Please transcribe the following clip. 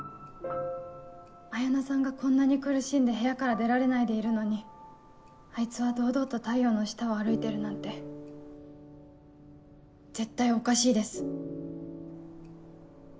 彩菜さんがこんなに苦しんで部屋から出られないでいるのにあいつは堂々と太陽の下を歩いてるなんて絶対おかしいです。